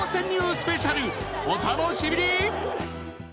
スペシャルお楽しみに！